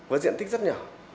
với diện tích rất nhỏ